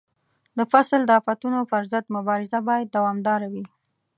د فصل د آفتونو پر ضد مبارزه باید دوامداره وي.